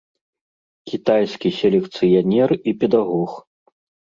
Кітайскі селекцыянер і педагог.